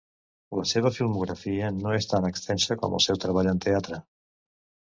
La seva filmografia no és tan extensa com el seu treball en teatre.